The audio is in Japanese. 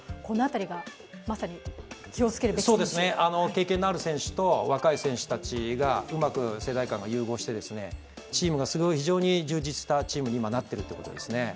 経験のある選手と若い選手たちがうまく世代間が融合して非常に充実したチームに今なっているということですね。